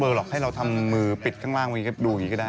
หรอกให้เราทำมือปิดข้างล่างไว้ดูอย่างนี้ก็ได้